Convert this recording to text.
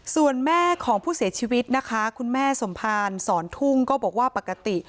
ส่วนแม่ของผู้เสียชีวิตนะคะคุณแม่สมภารสอนทุ่งก็บอกว่าปกติ